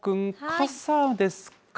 傘ですか？